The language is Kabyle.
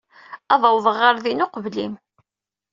Ad awḍeɣ ɣer din uqbel-im.